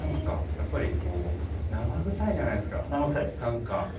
やっぱり生臭いじゃないですか何か。